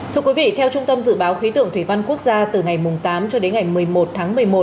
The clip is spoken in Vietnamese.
thưa quý vị theo trung tâm dự báo khí tượng thủy văn quốc gia từ ngày tám cho đến ngày một mươi một tháng một mươi một